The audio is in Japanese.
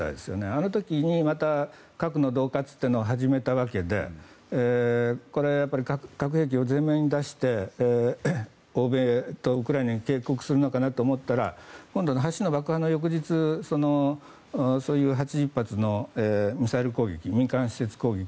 あの時に核の恫喝を始めたわけでこれは核兵器を前面に出して欧米とウクライナに警告するのかなと思ったら今度は橋の爆破の翌日、８０発のミサイル攻撃、民間施設攻撃。